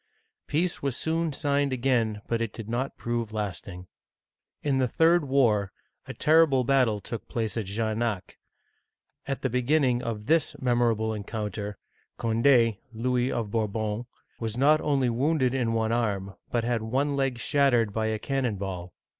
Peace was soon signed again, but it did not prove lasting. In the third war, a terrible battle took place at Jarnac (zhar nac', 1569). At the beginning of this memorable encounter, Conde (Louis of Bourbon) was not only wounded in one arm, but had one leg shattered by a cannon ball.